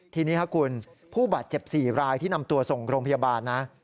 ทีนี้ครับคุณผู้บาดเจ็บ๔รายที่นำตัวส่งโรงพยาบาลนะ